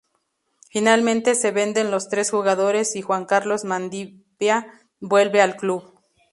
Finalmente se venden los tres jugadores y Juan Carlos Mandiá vuelve al club.